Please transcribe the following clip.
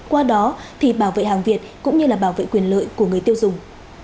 qua đó thì bảo vệ hàng việt cũng như là bảo vệ quyền lợi của người tiêu dùng